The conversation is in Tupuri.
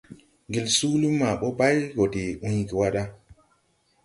Ngel suuli maa bɔ bay go de uygi wa da.